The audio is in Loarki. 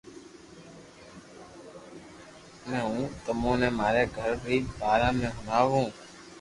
ھمو ھون تموني ماري گھر ري باري ۾ ھڻاوُ